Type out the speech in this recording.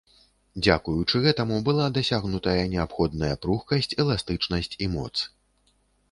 Дзякуючы гэтаму была дасягнутая неабходная пругкасць, эластычнасць і моц.